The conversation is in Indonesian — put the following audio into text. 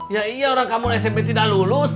ya iya orang kampung smp tidak lulus